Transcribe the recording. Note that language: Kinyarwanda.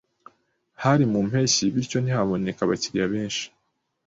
Hari mu mpeshyi, bityo ntihaboneka abakiriya benshi.